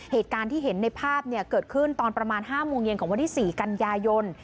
เหตุการณ์ที่เห็นในภาพเกิดขึ้นตอนประมาณ๕โมงเย็นของวันที่๔กันยายน